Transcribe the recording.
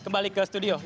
kembali ke studio